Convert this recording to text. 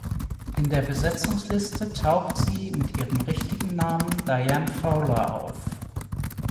In der Besetzungsliste taucht sie mit ihrem richtigen Namen "Diane Fowler" auf.